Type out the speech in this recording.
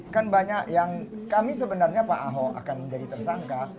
kan banyak yang kami sebenarnya pak ahok akan menjadi tersangka